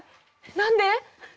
何で？